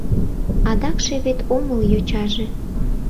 Адакше вет омыл йочаже.